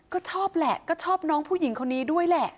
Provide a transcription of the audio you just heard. ก็ชอบแหละก็ชอบน้องผู้หญิงคนนี้ด้วยแหละ